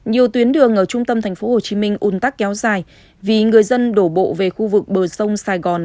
nhiều tuyến đường ở trung tâm tp hcm un tắc kéo dài vì người dân đổ bộ về khu vực bờ sông sài gòn